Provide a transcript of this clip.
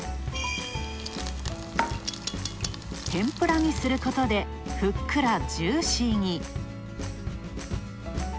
てんぷらにすることでふっくらジューシーに。